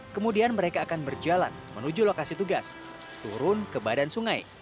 kemudian mereka akan berjalan menuju lokasi tugas turun ke badan sungai